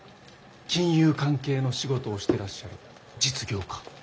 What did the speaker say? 金融関係の仕事をしてらっしゃる実業家。